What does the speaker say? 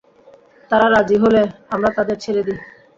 তারা রাজি হলে, আমরা তাদের ছেড়ে দিই।